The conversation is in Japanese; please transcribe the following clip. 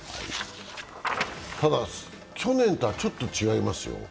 ただ去年とはちょっと違いますよ。